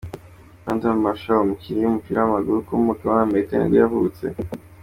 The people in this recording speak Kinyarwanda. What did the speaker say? Brandon Marshall, umukinnyi w’umupira w’amaguru ukomoka muri Amerika nibwo yavutse.